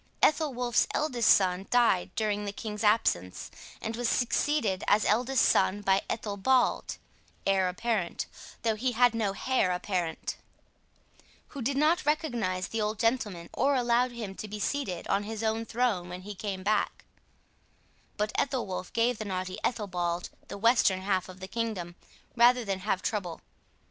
Ethelwolf's eldest son died during the king's absence, and was succeeded as eldest son by Ethelbald (heir apparent, though he had no hair apparent), who did not recognize the old gentleman or allow him to be seated on his own throne when he came back; but Ethelwolf gave the naughty Ethelbald the western half of the kingdom rather than have trouble.